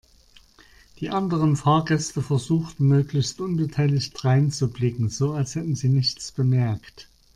Die anderen Fahrgäste versuchten möglichst unbeteiligt dreinzublicken, so als hätten sie nichts bemerkt.